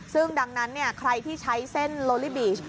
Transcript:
ซึ่งดังนั้นใครที่ใช้เส้นโลลิบีช